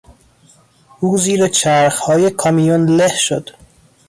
او زیر چرخهای کامیون له شد.